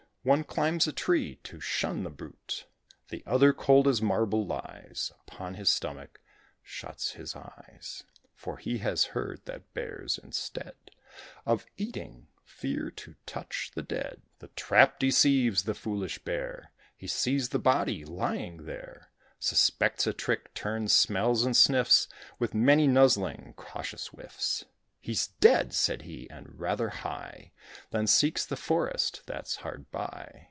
One climbs a tree, to shun the brute; The other, cold as marble, lies Upon his stomach shuts his eyes; For he has heard that Bears, instead Of eating fear to touch the dead. The trap deceives the foolish Bear: He sees the body lying there, Suspects a trick, turns, smells, and sniffs, With many nuzzling cautious whiffs. "He's dead," said he, "and rather high;" Then seeks the forest that's hard by.